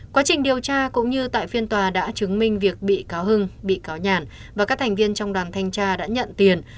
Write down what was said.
quá trình điều tra cũng như tại phiên tòa đã chứng minh việc bị cáo hưng bị cáo nhàn và các thành viên trong đoàn thanh tra đã nhận tiền